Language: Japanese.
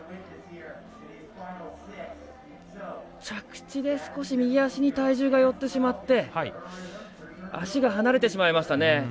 着地で少し右足に体重が寄ってしまって足が離れてしまいましたね。